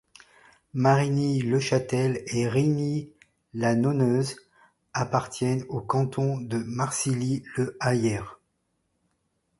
Marigny-le-Châtel et Rigny-la-Nonneuse appartiennent au canton de Marcilly-le-Hayer.